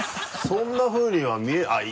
そんなふうには見えないあっ